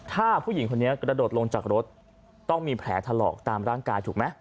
ถ้าผู้หญิงคนนี้กระโดดลงจากรถต้องมีแผลถลอกตามร่างกายถูกไหม